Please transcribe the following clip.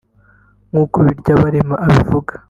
nk’uko Biryabarema abivuga